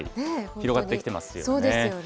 広がってきてますよね。